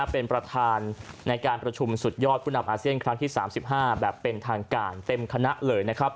เป็นประธานในการประชุมสุดยอดผู้นำอาเซียนครั้งที่๓๕แบบเป็นทางการเต็มคณะเลยนะครับ